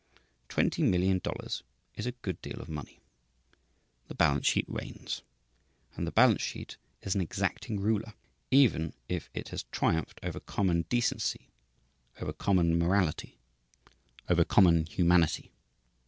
Twenty million dollars is a good deal of money. The balance sheet reigns; and the balance sheet is an exacting ruler, even if it has triumphed over common decency, over common morality, over common humanity.